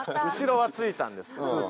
後ろはついたんですけど。